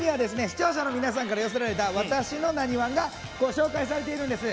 視聴者の皆さんから寄せられた「私のなにわん」がご紹介されているんです。